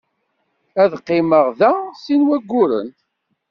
Ad qqimeɣ da sin wayyuren.